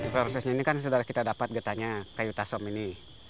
prosesnya ini kan sudah kita dapat getahnya kayu tasom ini